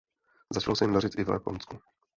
Začalo se jim dařit i v Japonsku.